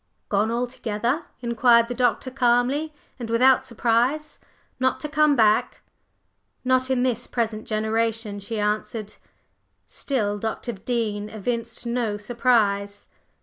"Gone altogether?" inquired the Doctor calmly and without surprise, "Not to come back?" "Not in this present generation!" she answered. Still Dr. Dean evinced no surprise.